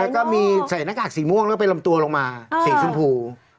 แล้วก็มีใส่หน้ากากสีม่วงแล้วเป็นลำตัวลงมาสีชมพู